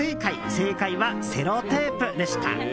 正解はセロテープでした。